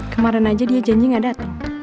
kemaren aja dia janji gak dateng